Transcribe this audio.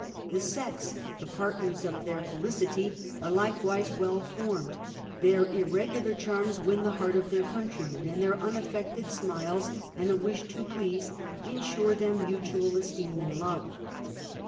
The Sex, the partners of their felicity, are likewise well formed ; their irregular cliarms win the heart of their countrymen, and their unaffected smiles, and a wish to please, ensure them mutual esteem and love.